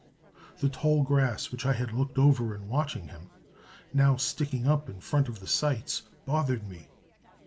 The tall grass, which I had looked over in watching him, now sticking up in front of the sights, bothered me.